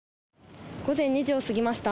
午前２時を過ぎました。